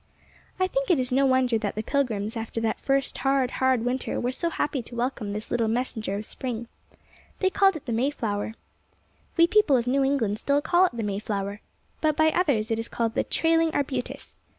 I think it is no wonder that the Pilgrims, after that first hard, hard winter, were so happy to welcome this little messenger of spring. They called it the Mayflower. We people of New England still call it the May flower, but by others it is called the trailing arbutus.